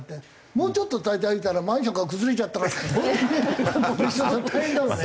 もうちょっとたたいたらマンションが崩れちゃったら別所さん大変だろうね。